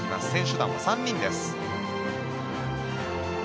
選手団は３人です。